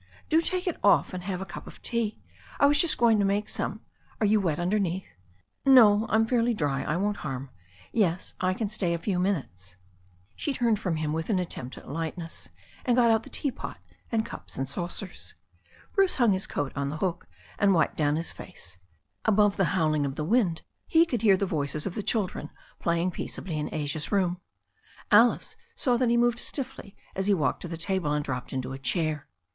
"Do take it off, and have a cup of tea. I was just going to make some. Are you wet underneath ?" "No, I'm fairly dry. I won't harm. Yes, I can stay a few minutes." She turned from him with an attempt at lightness, and got out the teapot and cups and saucers. Bruce hung his coat on the door, and wiped down his face. Above the howling of the wind he could hear the voices of the children playing peaceably in Asia's room. Alice saw that he moved stiffly as he walked to the table and dropped into a chair.